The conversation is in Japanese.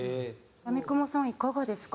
闇雲さんいかがですか？